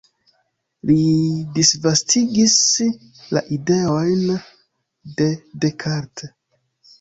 Li disvastigis la ideojn de Descartes.